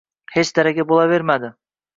Hech daragi bo`lavermadi